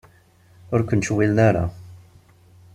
Ur ken-ttcewwilen ara.